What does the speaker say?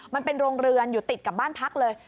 มันเป็นโรงเรือนอยู่ติดกับบ้านพักเลย